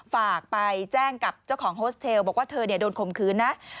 ฝากไปแจ้งกับเจ้าของโฮสเทลบอกว่าเธอโดนข่มขืนนะ